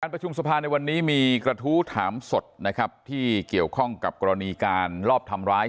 ประชุมสภาในวันนี้มีกระทู้ถามสดนะครับที่เกี่ยวข้องกับกรณีการลอบทำร้าย